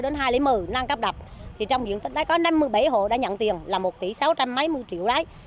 đến hai nghìn một mươi nâng cấp đập thì trong diễn tích đã có năm mươi bảy hộ đã nhận tiền là một tỷ sáu trăm linh mấy triệu đấy